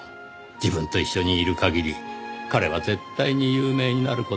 自分と一緒にいる限り彼は絶対に有名になる事は出来ない。